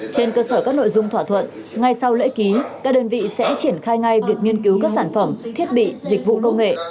trên cơ sở các nội dung thỏa thuận ngay sau lễ ký các đơn vị sẽ triển khai ngay việc nghiên cứu các sản phẩm thiết bị dịch vụ công nghệ